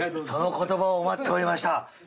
その言葉を待っておりました。